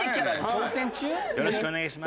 「よろしくお願いします」。